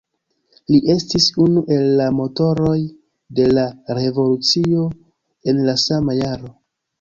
Li estis unu el la motoroj de la revolucio en la sama jaro.